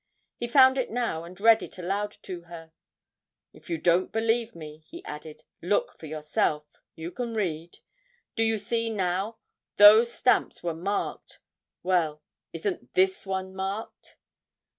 He found it now and read it aloud to her. 'If you don't believe me,' he added, 'look for yourself you can read. Do you see now those stamps were marked. Well, isn't this one marked?'